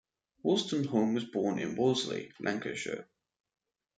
Wolstenholme was born in Worsley, Lancashire.